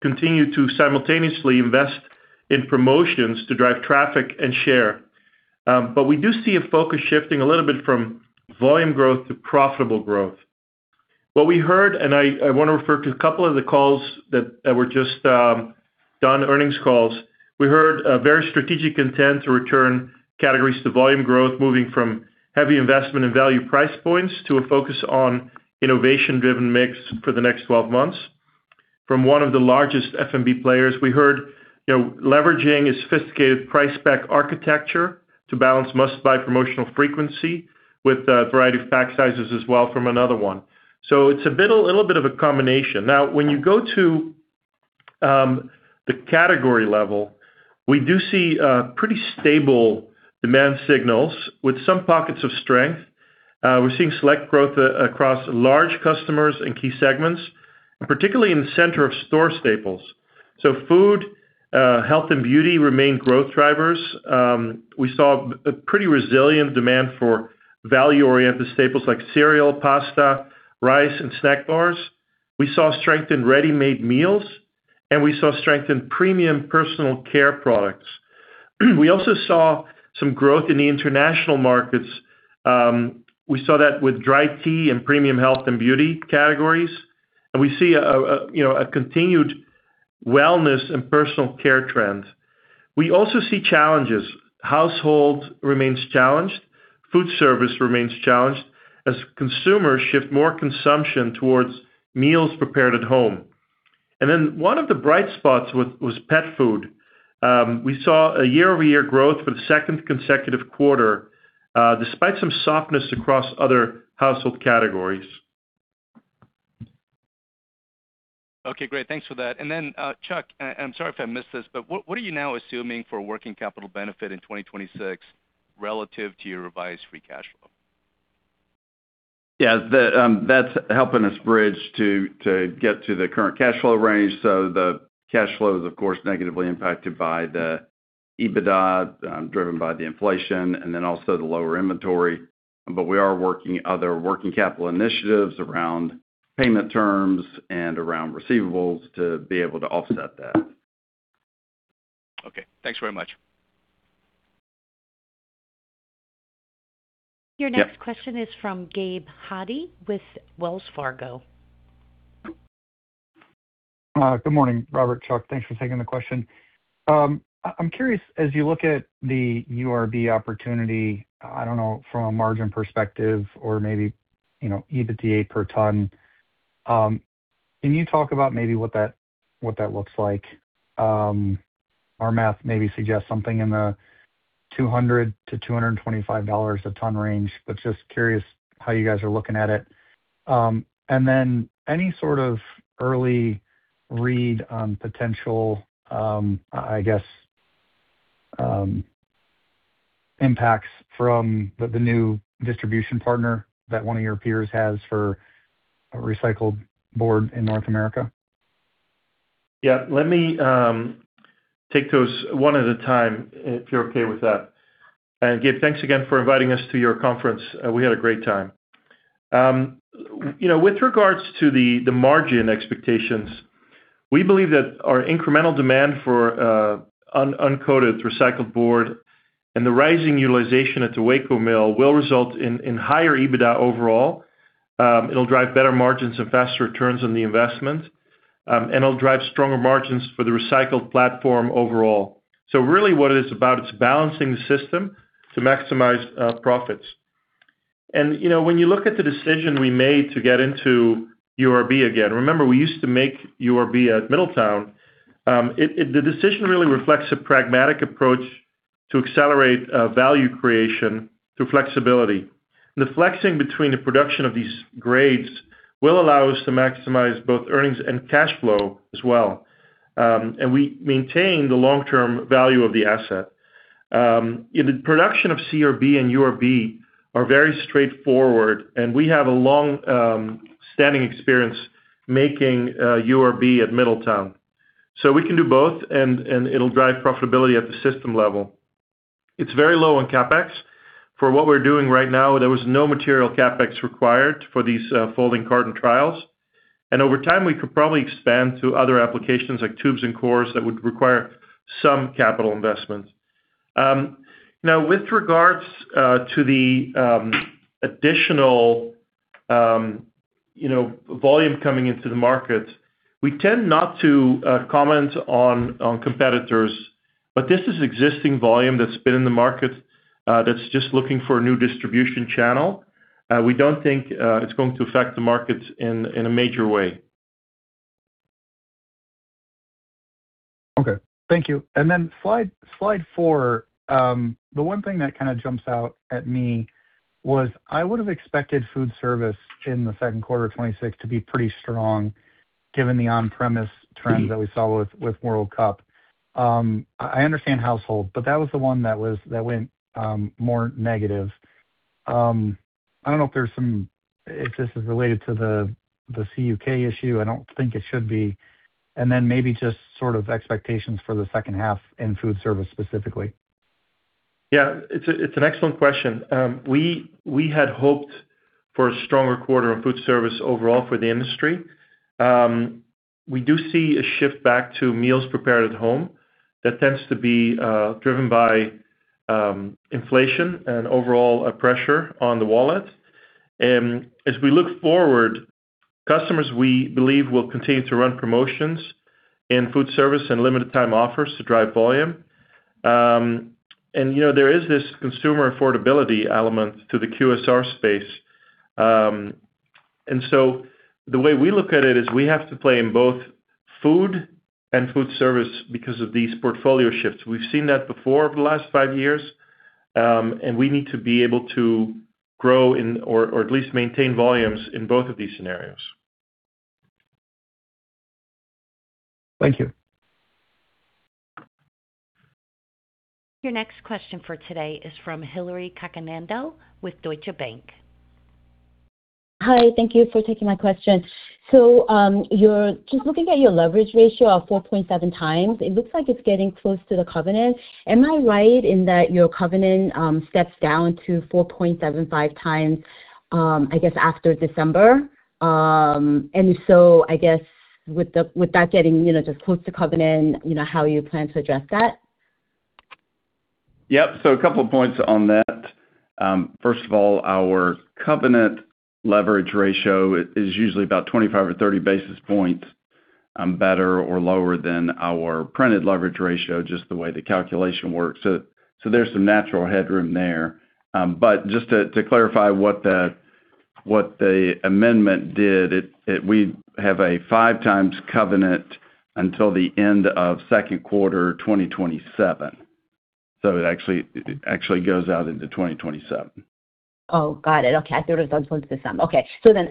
continue to simultaneously invest in promotions to drive traffic and share. We do see a focus shifting a little bit from volume growth to profitable growth. What we heard, and I want to refer to a couple of the calls that were just done, earnings calls. We heard a very strategic intent to return categories to volume growth, moving from heavy investment in value price points to a focus on innovation-driven mix for the next 12 months. From one of the largest F&B players, we heard leveraging a sophisticated price spec architecture to balance must-buy promotional frequency with a variety of pack sizes as well from another one. It's a little bit of a combination. When you go to the category level, we do see pretty stable demand signals with some pockets of strength. We're seeing select growth across large customers and key segments, particularly in the center of store staples. Food, health, and beauty remain growth drivers. We saw a pretty resilient demand for value-oriented staples like cereal, pasta, rice, and snack bars. We saw strength in ready-made meals, and we saw strength in premium personal care products. We also saw some growth in the international markets. We saw that with dry tea and premium health and beauty categories. We see a continued wellness and personal care trend. We also see challenges. Household remains challenged. Food service remains challenged as consumers shift more consumption towards meals prepared at home. One of the bright spots was pet food. We saw a year-over-year growth for the second consecutive quarter, despite some softness across other household categories. Great. Thanks for that. Then, Chuck, I'm sorry if I missed this, what are you now assuming for working capital benefit in 2026 relative to your revised free cash flow? That's helping us bridge to get to the current cash flow range. The cash flow is, of course, negatively impacted by the EBITDA, driven by the inflation and then also the lower inventory. We are working on other working capital initiatives around payment terms and around receivables to be able to offset that. Okay. Thanks very much. Your next question is from Gabe Hajde with Wells Fargo. Good morning, Robbert, Chuck. Thanks for taking the question. I'm curious, as you look at the URB opportunity, I don't know, from a margin perspective or maybe EBITDA per ton, can you talk about maybe what that looks like? Our math maybe suggests something in the $200-$225 a ton range, but just curious how you guys are looking at it. Then any sort of early read on potential, I guess, impacts from the new distribution partner that one of your peers has for recycled board in North America? Yeah. Let me take those one at a time, if you're okay with that. Gabe, thanks again for inviting us to your conference. We had a great time. With regards to the margin expectations, we believe that our incremental demand for uncoated recycled board and the rising utilization at the Waco mill will result in higher EBITDA overall. It'll drive better margins and faster returns on the investment, and it'll drive stronger margins for the recycled platform overall. Really, what it is about is balancing the system to maximize profits. When you look at the decision we made to get into URB again, remember, we used to make URB at Middletown. The decision really reflects a pragmatic approach to accelerate value creation through flexibility. The flexing between the production of these grades will allow us to maximize both earnings and cash flow as well. We maintain the long-term value of the asset. The production of CRB and URB are very straightforward, and we have a long-standing experience making URB at Middletown. We can do both, and it'll drive profitability at the system level. It's very low on CapEx. For what we're doing right now, there was no material CapEx required for these folding carton trials. Over time, we could probably expand to other applications like tubes and cores that would require some capital investment. With regard to the additional volume coming into the market, we tend not to comment on competitors, but this is existing volume that's been in the market that's just looking for a new distribution channel. We don't think it's going to affect the markets in a major way. Okay. Thank you. Slide four. The one thing that kind of jumps out at me is I would've expected food service in the second quarter of 2026 to be pretty strong given the on-premise trend that we saw with the World Cup. I understand the household, but that was the one that went more negative. I don't know if this is related to the CUK issue. I don't think it should be. Maybe just sort of expectations for the second half in food service specifically. Yeah. It's an excellent question. We had hoped for a stronger quarter on food service overall for the industry. We do see a shift back to meals prepared at home that tends to be driven by inflation and overall pressure on the wallet. As we look forward, customers, we believe, will continue to run promotions in food service and limited-time offers to drive volume. There is this consumer affordability element to the QSR space. The way we look at it is we have to play in both food and food service because of these portfolio shifts. We've seen that before over the last five years. We need to be able to grow or at least maintain volumes in both of these scenarios. Thank you. Your next question for today is from Hillary Cacanando with Deutsche Bank. Hi. Thank you for taking my question. Just looking at your leverage ratio of 4.7x, it looks like it's getting close to the covenant. Am I right in that your covenant steps down to 4.75x, I guess, after December? I guess with that getting just close to covenant, how you plan to address that? Yep. A couple of points on that. First of all, our covenant leverage ratio is usually about 25 or 30 basis points better or lower than our printed leverage ratio, just the way the calculation works. There's some natural headroom there. Just to clarify what the amendment did, we have a 5x covenant until the end of second quarter 2027. It actually goes out into 2027. Oh, got it. Okay. I thought it was up until December. Okay.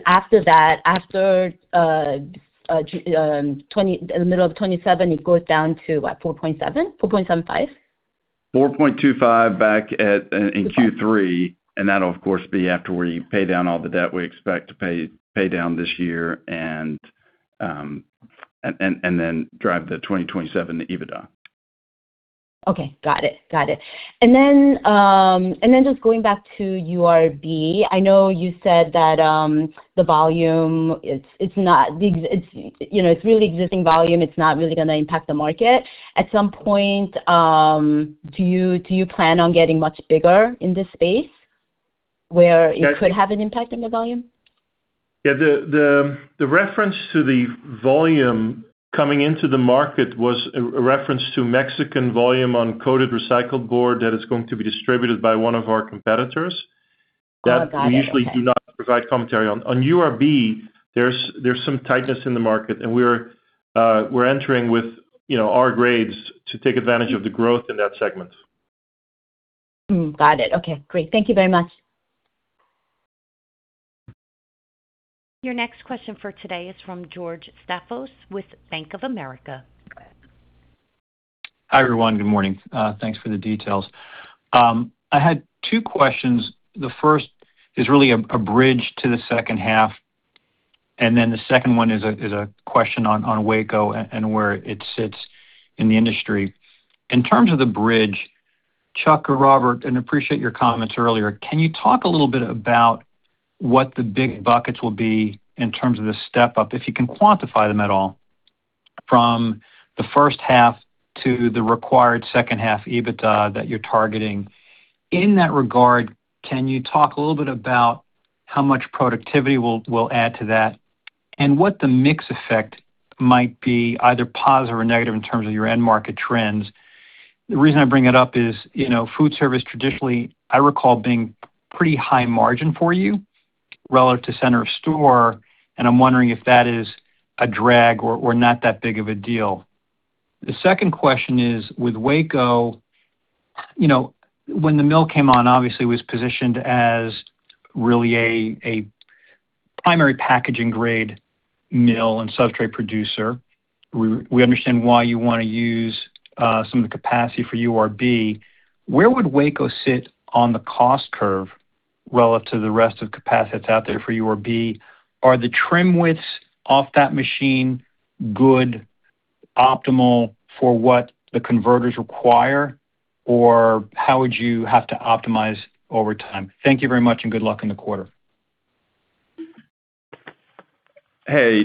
After that, in the middle of 2027, it goes down to what, 4.7x, 4.75x? 4.25x back in Q3, that'll of course be after we pay down all the debt we expect to pay down this year, then drive the 2027 EBITDA. Okay. Got it. Then just going back to URB, I know you said that the volume, it's really existing volume. It's not really going to impact the market. At some point, do you plan on getting much bigger in this space where it could have an impact on the volume? Yeah. The reference to the volume coming into the market was a reference to Mexican volume on coated recycled board that is going to be distributed by one of our competitors. Oh, got it. Okay. That we usually do not provide commentary on. On URB, there is some tightness in the market, and we are entering with our grades to take advantage of the growth in that segment. Got it. Okay, great. Thank you very much. Your next question for today is from George Staphos with Bank of America. Hi, everyone. Good morning. Thanks for the details. I had two questions. The first is really a bridge to the second half, and the second one is a question on Waco and where it sits in the industry. In terms of the bridge, Chuck or Robbert, and appreciate your comments earlier, can you talk a little bit about what the big buckets will be in terms of the step-up, if you can quantify them at all, from the first half to the required second half EBITDA that you are targeting? In that regard, can you talk a little bit about how much productivity will add to that and what the mix effect might be, either positive or negative, in terms of your end market trends? The reason I bring it up is food service traditionally, I recall being pretty high margin for you. Relative to the center of the store. I'm wondering if that is a drag or not that big of a deal. The second question is with Waco: when the mill came on, obviously it was positioned as really a primary packaging-grade mill and substrate producer. We understand why you want to use some of the capacity for URB. Where would Waco sit on the cost curve relative to the rest of the capacities out there for URB? Are the trim widths off that machine good, optimal for what the converters require? Or how would you have to optimize over time? Thank you very much, and good luck in the quarter. Hey,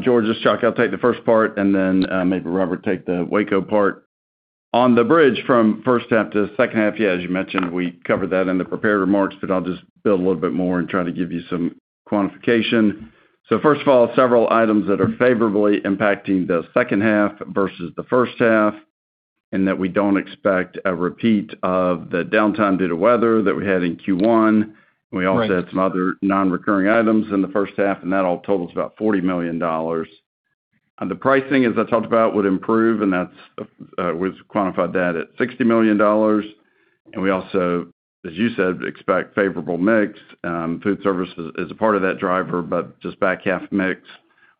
George, it's Chuck. I'll take the first part, and then maybe Robbert will take the Waco part. On the bridge from first half to second half, yeah, as you mentioned, we covered that in the prepared remarks. I'll just build a little bit more and try to give you some quantification. First of all, several items that are favorably impacting the second half versus the first half. We don't expect a repeat of the downtime due to weather that we had in Q1. Right. We also had some other non-recurring items in the first half, which all total about $40 million. The pricing, as I talked about, would improve. We've quantified that at $60 million. We also, as you said, expect a favorable mix. Foodservice is a part of that driver; just a back-half mix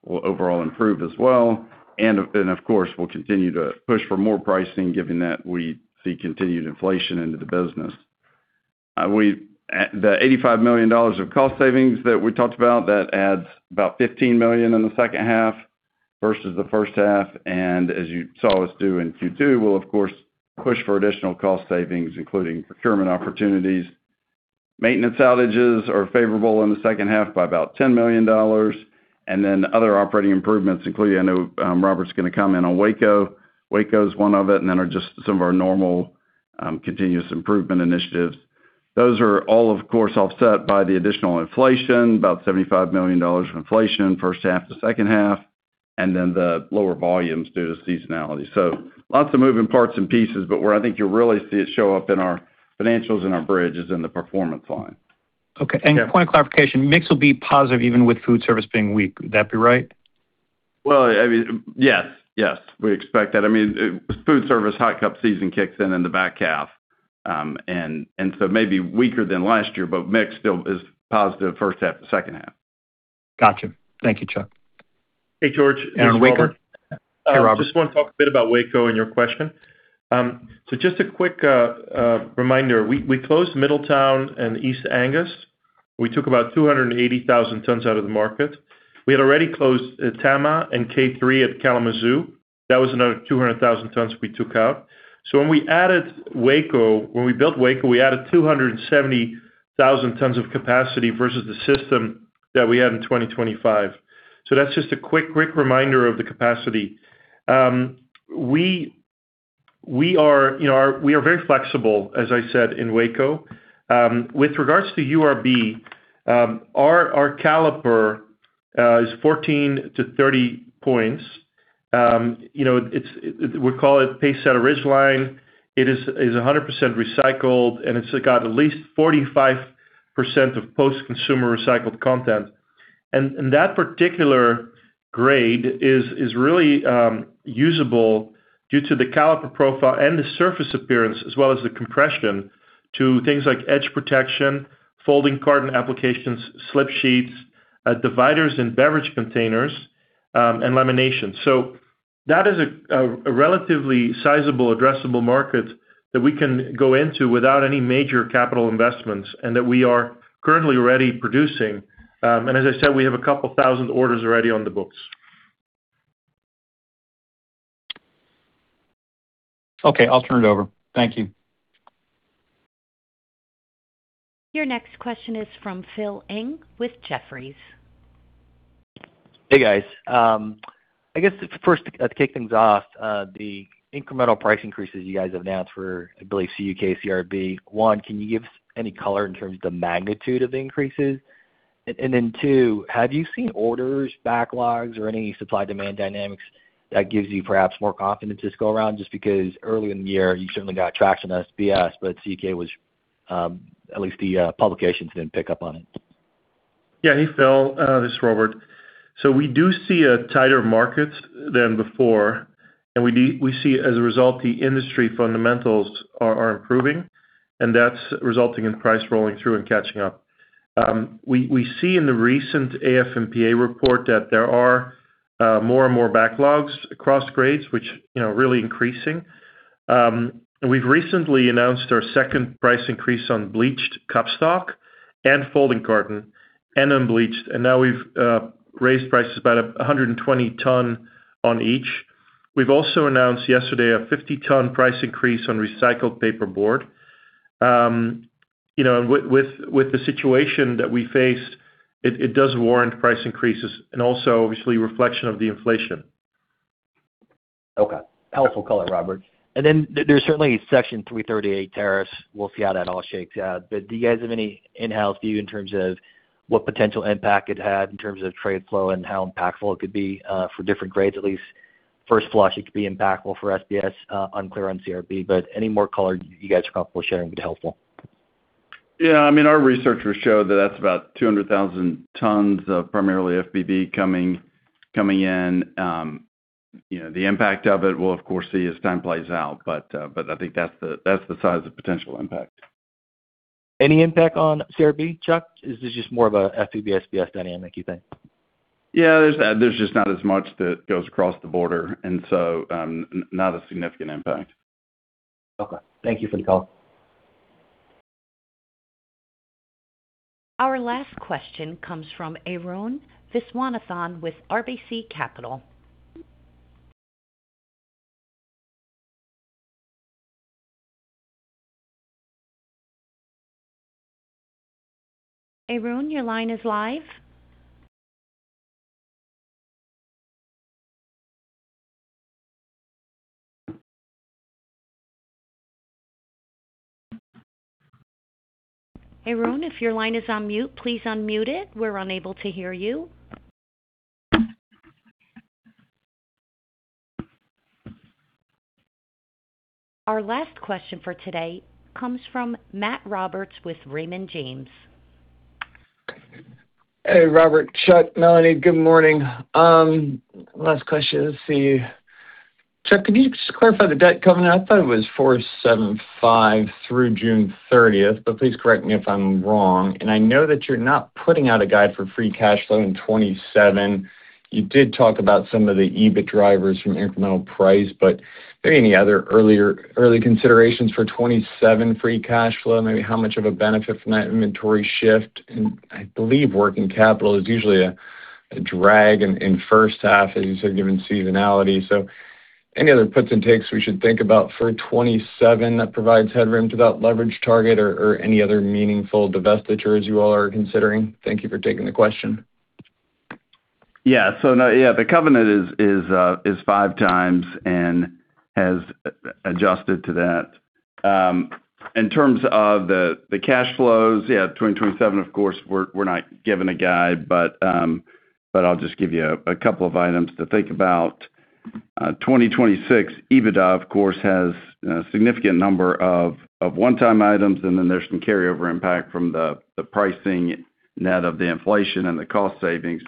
will overall improve as well. Of course, we'll continue to push for more pricing given that we see continued inflation in the business. The $85 million of cost savings that we talked about, that adds about $15 million in the second half versus the first half. As you saw us do in Q2, we'll, of course, push for additional cost savings, including procurement opportunities. Maintenance outages are favorable in the second half by about $10 million. Then other operating improvements, including, I know, Robbert's going to comment on Waco. Waco's one of them, and then there are just some of our normal continuous improvement initiatives. Those are all, of course, offset by the additional inflation, about $75 million of inflation from the first half to the second half, then the lower volumes due to seasonality. Lots of moving parts and pieces, where I think you'll really see it show up in our financials, and our bridge is in the performance line. Okay. Yeah. Point of clarification: mix will be positive even with foodservice being weak. Would that be right? Well, yes. We expect that. Foodservice hot cup season kicks in in the back half. Maybe weaker than last year, but mix is still positive from the first half to the second half. Got you. Thank you, Chuck. Hey, George. Hey, Robbert. Just want to talk a bit about Waco and your question. Just a quick reminder. We closed Middletown and East Angus. We took about 280,000 tons out of the market. We had already closed Tama and K3 at Kalamazoo. That was another 200,000 tons we took out. When we built Waco, we added 270,000 tons of capacity versus the system that we had in 2025. That's just a quick reminder of the capacity. We are very flexible, as I said, in Waco. With regard to URB, our caliper is 14 points-30 points. We call it PaceSetter Ridgeline. It is 100% recycled, and it's got at least 45% of post-consumer recycled content. That particular grade is really usable due to the caliper profile and the surface appearance, as well as the compression to things like edge protection, folding carton applications, slip sheets, dividers in beverage containers, and lamination. That is a relatively sizable addressable market that we can go into without any major capital investments and that we are currently already producing. As I said, we have a couple thousand orders already on the books. Okay, I'll turn it over. Thank you. Your next question is from Phil Ng with Jefferies. Hey, guys. I guess first, to kick things off, the incremental price increases you guys have announced for, I believe, CUK, CRB, one, can you give any color in terms of the magnitude of the increases? Two, have you seen orders, backlogs, or any supply-demand dynamics that give you perhaps more confidence this go-around? Just because early in the year, you certainly got traction on SBS, but CUK was, at least, the publications didn't pick up on it. Yeah. Hey, Phil. This is Robbert. We do see a tighter market than before, and we see, as a result, the industry fundamentals are improving, and that's resulting in price rolling through and catching up. We see in the recent AF&PA report that there are more and more backlogs across grades, which are really increasing. We've recently announced our second price increase on bleached cupstock and folding carton and unbleached, and now we've raised prices about 120 tons on each. We also announced yesterday a 50-ton price increase on recycled paperboard. With the situation that we faced, it does warrant price increases and also, obviously, reflection of the inflation. Okay. Helpful color, Robbert. There's certainly Section 338 tariffs. We'll see how that all shakes out. Do you guys have any in-house view in terms of what potential impact it had in terms of trade flow and how impactful it could be for different grades, at least first flush, it could be impactful for SBS, unclear on CRB, but any more color you guys are comfortable sharing would be helpful. Yeah. Our researchers show that that's about 200,000 tons of primarily FBB coming in. The impact of it, we'll of course see as time plays out. I think that's the size of potential impact. Any impact on CRB, Chuck? Is this just more of a FBB SBS dynamic, you think? Yeah. There's just not as much that goes across the border, not a significant impact. Okay. Thank you for the call. Our last question comes from Arun Viswanathan with RBC Capital. Arun, your line is live. Arun, if your line is on mute, please unmute it. We're unable to hear you. Our last question for today comes from Matt Roberts with Raymond James. Hey, Robbert, Chuck, Melanie, good morning. Last question. Let's see. Chuck, could you just clarify the debt covenant? I thought it was 475 through June 30th, but please correct me if I'm wrong. I know that you're not putting out a guide for free cash flow in 2027. You did talk about some of the EBIT drivers from incremental price, but are there any other early considerations for 2027 free cash flow? Maybe how much of a benefit is there from that inventory shift? I believe working capital is usually a drag in first half, as you said, given seasonality. Any other puts and takes we should think about for 2027 that provide headroom to that leverage target or any other meaningful divestitures you all are considering? Thank you for taking the question. Yeah. The covenant is 5x and has adjusted to that. In terms of the cash flows, 2027, of course, we're not giving a guide. I'll just give you a couple of items to think about. 2026 EBIT, of course, has a significant number of one-time items, and then there's some carryover impact from the pricing net of the inflation and the cost savings.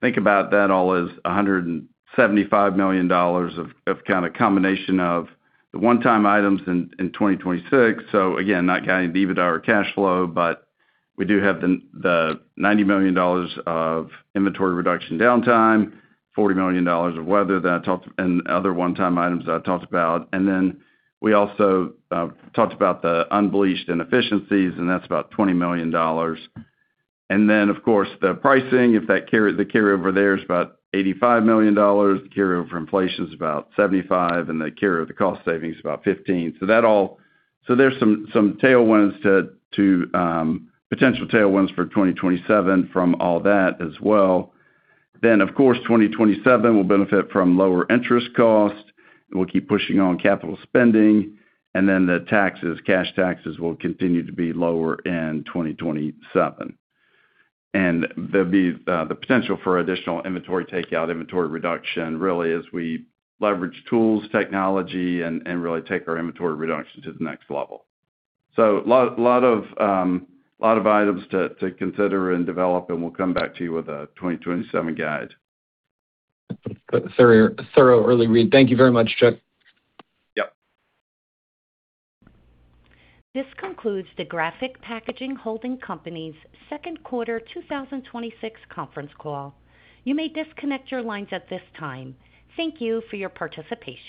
Think about that all as $175 million of combination of the one-time items in 2026. Again, not guiding the EBIT or cash flow, but we do have the $90 million of inventory reduction downtime, $40 million of weather, and other one-time items that I talked about. We also talked about the unbleached inefficiencies, and that's about $20 million. Of course, the pricing, if the carryover there is about $85 million, the carryover inflation is about $75 million, and the carryover, the cost savings, is about $15 million. There's some potential tailwinds for 2027 from all that as well. Of course, 2027 will benefit from lower interest costs, we'll keep pushing on capital spending, and the cash taxes will continue to be lower in 2027. There'll be the potential for additional inventory takeout and inventory reduction, really, as we leverage tools and technology and really take our inventory reduction to the next level. Lot of items to consider and develop, and we'll come back to you with a 2027 guide. Thorough early read. Thank you very much, Chuck. Yep. This concludes the Graphic Packaging Holding Company's second quarter 2026 conference call. You may disconnect your lines at this time. Thank you for your participation.